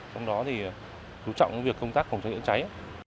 trong đó thì thú trọng công tác phòng chữa cháy